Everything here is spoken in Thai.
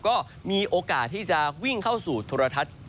ก็มีโอกาสที่จะวิ่งเข้าสู่โทรทัศน์